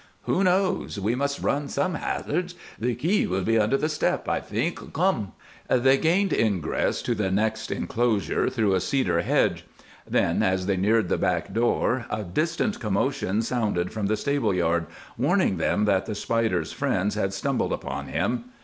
"Who knows? We must run some hazards. The key will be under the step, I think. Come!" They gained ingress to the next inclosure through a cedar hedge. Then, as they neared the back door, a distant commotion sounded from the stable yard, warning them that the Spider's friends had stumbled upon him.